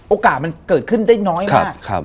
โอกาสมันเกิดขึ้นได้น้อยมาก